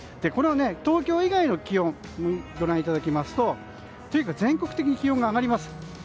東京以外の気温をご覧いただきますと全国的に気温が上がります。